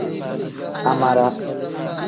Amara.